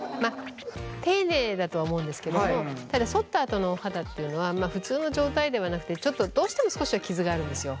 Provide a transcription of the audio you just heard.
丁寧だとは思うんですけどもただそったあとのお肌というのは普通の状態ではなくてちょっとどうしても少しは傷があるんですよ。